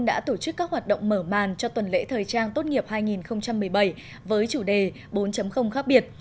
đã tổ chức các hoạt động mở màn cho tuần lễ thời trang tốt nghiệp hai nghìn một mươi bảy với chủ đề bốn khác biệt